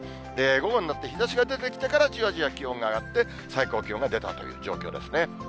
午後になって、日ざしが出てきてから、じわじわ気温が上がって、最高気温が出たという状況ですね。